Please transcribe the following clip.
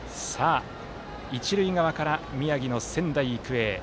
一塁側から宮城の仙台育英。